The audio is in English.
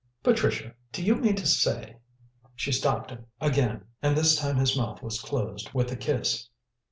"Patricia, do you mean to say " She stopped him again, and this time his mouth was closed with a kiss.